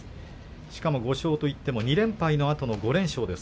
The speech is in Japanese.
しかも５勝といっても２連敗のあとの５連勝です。